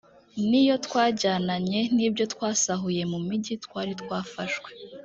ni yo twajyananye n’ibyo twasahuye mu migi twari twafashe.